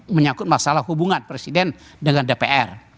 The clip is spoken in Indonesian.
menyangkut masalah hubungan presiden dengan dpr